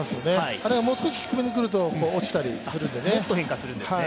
あれがもう少し低めにくると落ちたりするんでね。